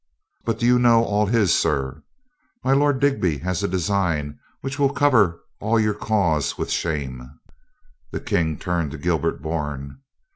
"But do you know all his, sir? Sir, my Lord Digby has a design which will cover all your cause with shame." The King turned to Gilbert Bourne.